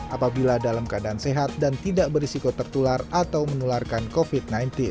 apabila dalam keadaan sehat dan tidak berisiko tertular atau menularkan covid sembilan belas